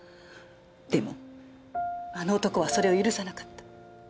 でもあの男はそれを許さなかった。